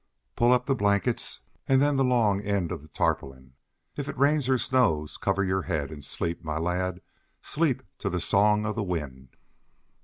Pull up the blankets, and then the long end of the tarpaulin. If it rains or snows cover your head, and sleep, my lad, sleep to the song of the wind!"